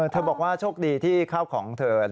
เธอบอกว่าช่วงดีที่ข้าวของเธอ